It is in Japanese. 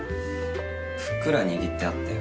ふっくら握ってあったよ。